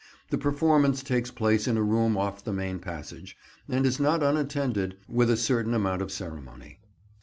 The performance takes place in a room off the main passage, and is not unattended with a certain amount of ceremony.